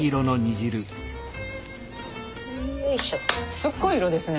すっごい色ですね。